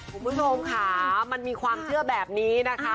คุณผู้ชมค่ะมันมีความเชื่อแบบนี้นะคะ